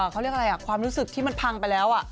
เขาเรียกอะไรความรู้สึกที่มันพังไปแล้ว